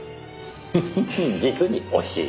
フフフ実に惜しい。